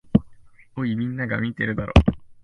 おい、みんなが見てるだろ。